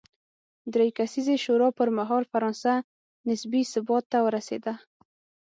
درې کسیزې شورا پر مهال فرانسه نسبي ثبات ته ورسېده.